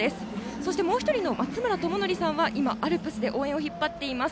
そしてもう１人の松村朝矩さんは今、アルプスで応援を引っ張っています。